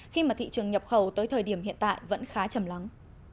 khi mà thị trường nhập khẩu tới thời điểm hiện tại vẫn khá chầm lắng